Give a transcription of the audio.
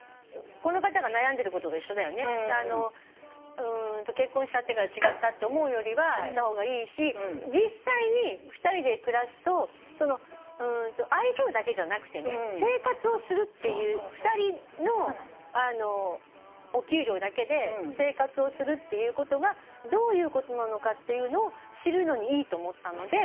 うーんと結婚しちゃってから違ったって思うよりはした方がいいし実際に２人で暮らすとその相性だけじゃなくてね生活をするっていう２人のお給料だけで生活をするっていうことがどういうことなのかっていうのを知るのにいいと思ったので。